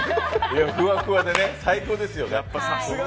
ふわふわでね最高ですよ。